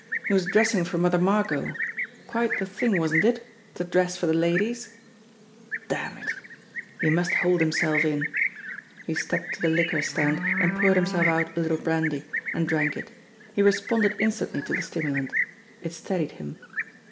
He was dressing for Mother Margot. Quite the thing, wasn't it to dress for the ladies ? Damn it! He must hold himself in! He stepped to the liqueur stand and poured himself out a little brandy, and THE CALL OF THE NIGHT 225 drank it. He responded instantly to the stimulant. It steadied him.